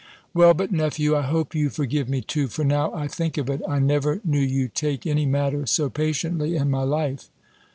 "Well, but, nephew, I hope you forgive me too; for now I think of it, I never knew you take any matter so patiently in my life."